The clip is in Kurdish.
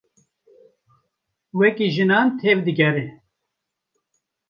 Wekî jinan tev digere.